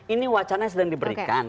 ini wacana yang sedang diberikan